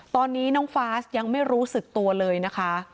ตอนนี้น้องฟาสยังไม่รู้สึกตัวเลยนะคะ